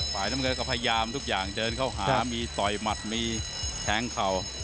ฝ่ายน้ำเงินก็พยายามทุกอย่างเดินเข้าหามีต่อยหมัดมีแทงเข่า